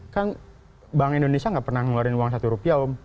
kan bank indonesia nggak pernah ngeluarin uang satu rupiah om